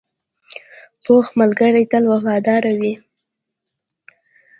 پوخ ملګری تل وفادار وي